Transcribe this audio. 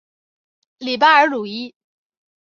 里巴尔鲁伊。